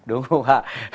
đúng không hả